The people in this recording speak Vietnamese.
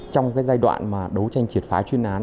trong cái giai đoạn mà đấu tranh triệt phá chuyên án